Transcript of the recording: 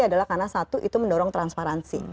adalah karena satu itu mendorong transparansi